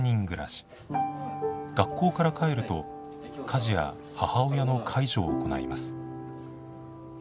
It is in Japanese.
学校から帰ると家事や母親の介助を行います。